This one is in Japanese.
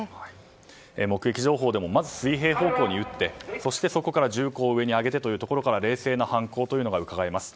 目撃情報でもまず水平方向に撃ってそしてそこから銃口を上に上げてというところから冷静な犯行がうかがえます。